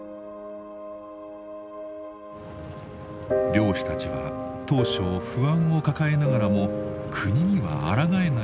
漁師たちは当初不安を抱えながらも国にはあらがえないと計画に同意。